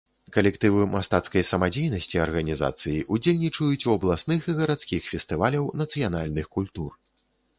Калектывы мастацкай самадзейнасці арганізацыі ўдзельнічаюць у абласных і гарадскіх фестываляў нацыянальных культур.